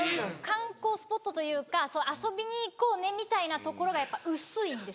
観光スポットというか遊びに行こうねみたいな所がやっぱ薄いんです。